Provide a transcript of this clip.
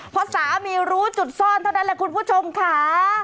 พอสามีรู้จุดซ่อนเท่านั้นแหละคุณผู้ชมค่ะ